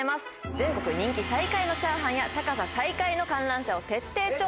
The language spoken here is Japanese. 全国人気最下位のチャーハンや高さ最下位の観覧車を徹底調査。